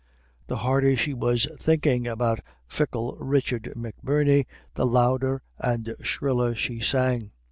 The harder she was thinking about fickle Richard McBirney, the louder and shriller she sang.